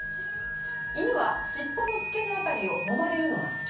犬は尻尾の付け根辺りをもまれるのが好き。